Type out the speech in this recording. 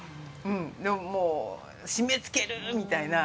もう締めつける！みたいな。